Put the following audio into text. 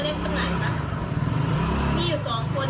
แล้วผมผอมมันอ้วนอ้วนผมหอม